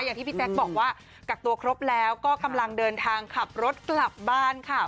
อย่างที่พี่แจ๊คบอกว่ากักตัวครบแล้วก็กำลังเดินทางขับรถกลับบ้านค่ะ